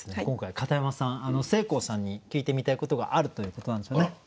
今回片山さんせいこうさんに聞いてみたいことがあるということなんですよね。